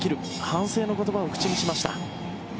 反省の言葉を口にしました。